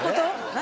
何？